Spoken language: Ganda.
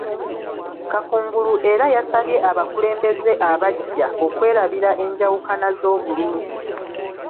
Kakungulu era yasabye abakulembeze abaggya okwerabira enjawukana z’obululu